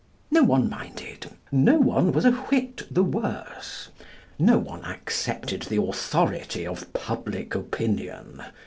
No one minded. No one was a whit the worse. No one accepted the authority of public opinion.